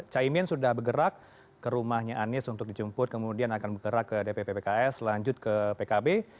caimin sudah bergerak ke rumahnya anies untuk dijemput kemudian akan bergerak ke dpp pks lanjut ke pkb